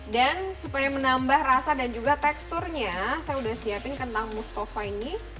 dan supaya menambah rasa dan juga teksturnya saya sudah siapkan kentang mustafa ini